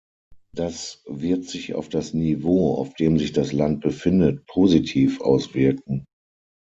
Das wird sich auf das Niveau, auf dem sich das Land befindet, positiv auswirken.